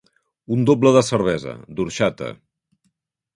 Un doble de cervesa, d'orxata.